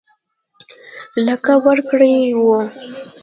لقب ورکړی وو.